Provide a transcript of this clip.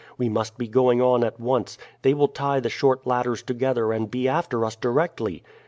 We must be going on at once. They will tie the short ladders together and be after us directly."